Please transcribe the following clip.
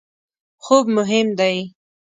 خوب مهم دی